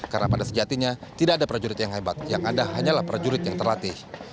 karena pada sejatinya tidak ada prajurit yang hebat yang ada hanyalah prajurit yang terlatih